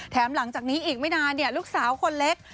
หลังจากนี้อีกไม่นานลูกสาวคนเล็ก